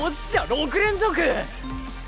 ６連続！